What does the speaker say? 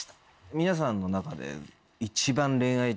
皆さんの中で。